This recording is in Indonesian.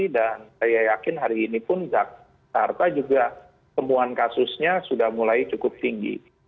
dan saya yakin hari ini pun jakarta juga temuan kasusnya sudah mulai cukup tinggi